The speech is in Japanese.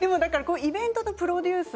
イベントプロデュース